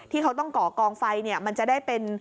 ที่เขาต้องก่อกองไฟเนี่ยมันจะได้เป็น